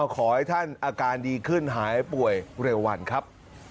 ขอให้ท่านอาการดีขึ้นหายป่วยเร็ววันครับ